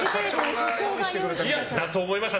だと思いました！